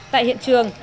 tại hiện trường